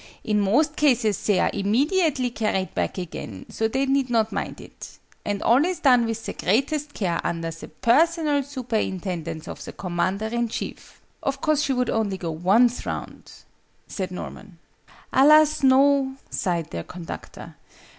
"In most cases they are immediately carried back again: so they need not mind it. And all is done with the greatest care, under the personal superintendence of the Commander in Chief." "Of course she would only go once round?" said Norman. "Alas, no!" sighed their conductor.